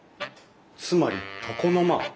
つまり床の間！